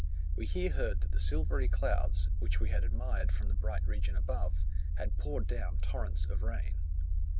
We here heard that the silvery clouds, which we had admired from the bright region above, had poured down torrents of rain.